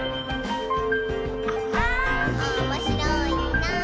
「おもしろいなぁ」